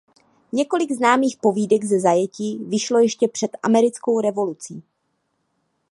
Několik známých povídek ze zajetí vyšlo ještě před Americkou revolucí.